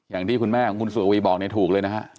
อย่างที่คุณแม่ของคุณสุวรีบอกถูกเลยนะครับ